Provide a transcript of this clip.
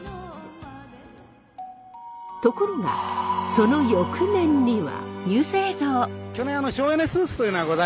ところがその翌年には。